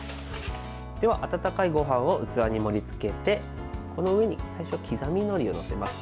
では温かいごはんを器に盛りつけて、この上に最初は刻みのりを載せます。